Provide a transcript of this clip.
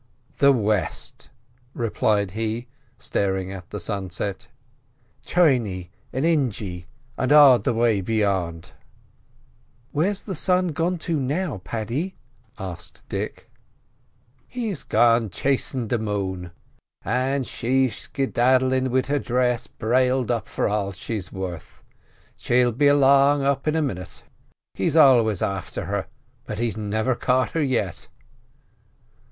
"The west," replied he, staring at the sunset. "Chainy and Injee and all away beyant." "Where's the sun gone to now, Paddy?" asked Dick. "He's gone chasin' the moon, an' she's skedadlin' wid her dress brailed up for all she's worth; she'll be along up in a minit. He's always afther her, but he's never caught her yet."